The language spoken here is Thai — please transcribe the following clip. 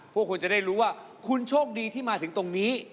พวกคุณจะได้รู้ว่าคุณโชคดีที่มาถึงตรงนี้